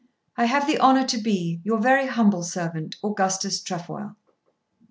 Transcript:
I have the honour to be, Your very humble servant, AUGUSTUS TREFOIL.